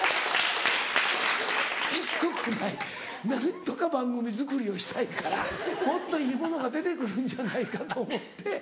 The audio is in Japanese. しつこくない何とか番組作りをしたいからもっといいものが出て来るんじゃないかと思って。